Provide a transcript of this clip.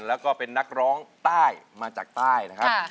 แล้วก็เป็นนักร้องใต้มาจากใต้นะครับ